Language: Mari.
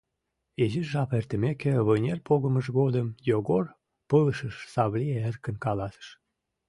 Изиш жап эртымеке, вынер погымыж годым, Йогор пылышыш Савли эркын каласыш: